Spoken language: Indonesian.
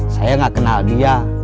saya gak kenal dia